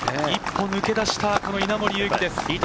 一歩抜け出した稲森佑貴です。